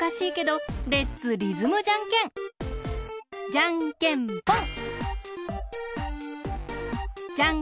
じゃんけんぽん！